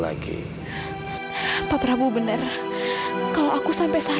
ada satu hal sih pa